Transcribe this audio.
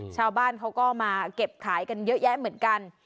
ชาวบ้านเขาก็มาเก็บขายกันเยอะแยะเหมือนกัน